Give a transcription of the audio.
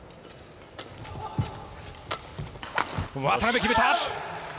渡辺、決めた！